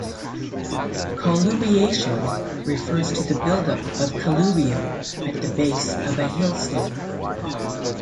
"Colluviation" refers to the buildup of colluvium at the base of a hillslope.